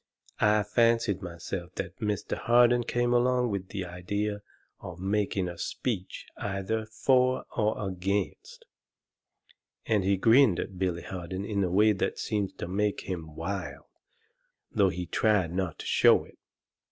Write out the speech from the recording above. I fancied myself that Mr. Harden came along with the idea of making a speech either for or against." And he grinned at Billy Harden in a way that seemed to make him wild, though he tried not to show it.